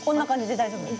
大丈夫です。